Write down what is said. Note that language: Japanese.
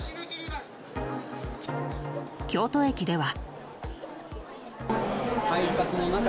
京都駅では。